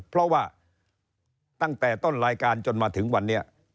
เพราะว่าตั้งแต่ต้นรายการจนมาถึงวันนี้